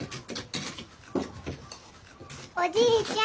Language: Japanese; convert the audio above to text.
おじいちゃん。